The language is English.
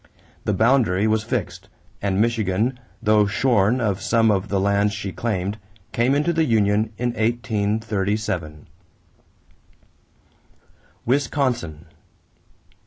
The boundary was fixed, and Michigan, though shorn of some of the land she claimed, came into the union in 1837. =Wisconsin.